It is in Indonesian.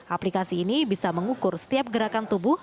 aplikasi ini bisa mengukur setiap gerakan tubuh